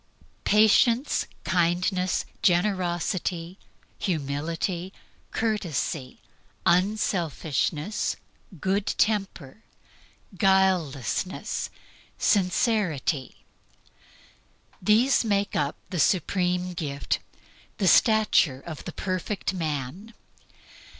Patience; kindness; generosity; humility; courtesy; unselfishness; good temper; guilelessness; sincerity these make up the supreme gift, the stature of the perfect man.